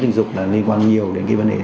tình dục là liên quan nhiều đến cái vấn đề